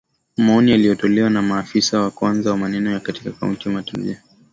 maoni yaliyotolewa na maafisa wa kwanza wa maeneo katika kaunti watoaji wa ripoti